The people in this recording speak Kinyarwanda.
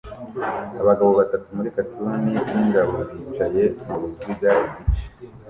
Abagabo batatu muri cotoon yingabo bicaye muruziga igice